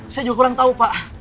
saya juga kurang tahu pak